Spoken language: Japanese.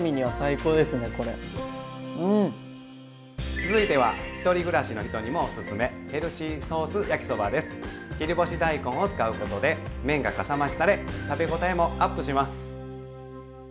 続いては１人暮らしの人にもおすすめ切り干し大根を使うことで麺がかさ増しされ食べ応えもアップします。